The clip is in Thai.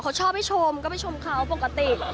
เขาชอบให้ชมก็ไปชมเขาปกติ